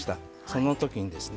その時にですね